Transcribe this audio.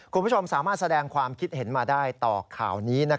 คุณผู้ชมสามารถแสดงความคิดเห็นมาได้ต่อข่าวนี้